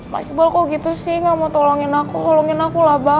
bang iqbal kok gitu sih gak mau tolongin aku tolongin aku lah bang